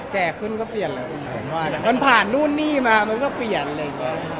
แก่ขึ้นก็เปลี่ยนเลยมันผ่านนู่นนี่มามันก็เปลี่ยนเลย